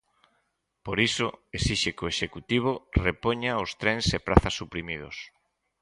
Por iso, exixe que o Executivo "repoña os trens e prazas suprimidos".